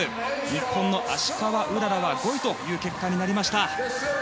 日本の芦川うららは５位という結果になりました。